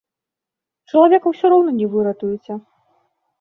Чалавека ўсё роўна не выратуеце.